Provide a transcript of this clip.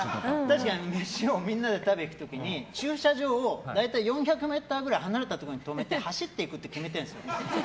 確かに飯もみんなで食べに行く時に駐車場を大体４００ｍくらい離れたところに止めて走っていくって決めてるんですよ。